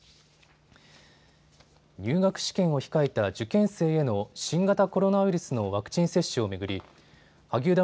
入学試験を控えた受験生への新型コロナウイルスのワクチン接種を巡り萩生田